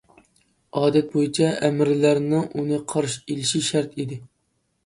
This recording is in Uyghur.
ئادەت بويىچە ئەمىرلەرنىڭ ئۇنى قارشى ئېلىشى شەرت ئىدى.